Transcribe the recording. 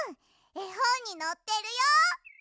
えほんにのってるよ。